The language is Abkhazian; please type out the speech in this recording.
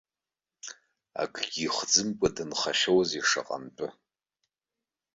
Акгьы ихӡымкәа дынхахьоузеи шаҟантәы!